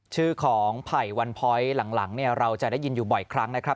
ชื่อของไผ่วันพ้อยหลังเนี่ยเราจะได้ยินอยู่บ่อยครั้งนะครับ